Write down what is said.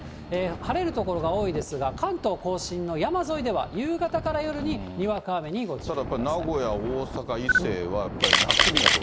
晴れる所が多いですが、関東甲信の山沿いでは夕方から夜ににわか雨にご注意ください。